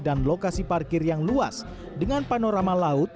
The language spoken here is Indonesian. dan lokasi parkir yang luas dengan panorama laut